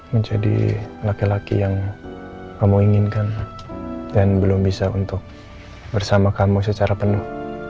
menjadi laki laki yang kamu inginkan dan belum bisa untuk bersama kamu secara penuh